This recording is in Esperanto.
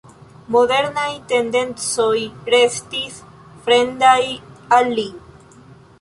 Modernaj tendencoj restis fremdaj al li.